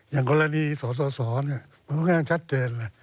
อย่างกรณีสสมันก็ง่ายง่างชัดเจน